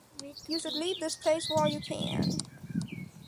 You should leave this place while you can.